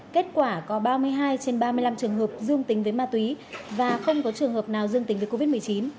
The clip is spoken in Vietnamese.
kết quả có ba mươi hai trên ba mươi năm trường hợp dương tính với ma túy và không có trường hợp nào dương tính với covid một mươi chín